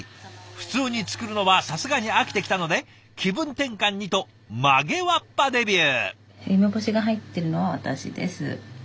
普通に作るのはさすがに飽きてきたので気分転換にと曲げわっぱデビュー。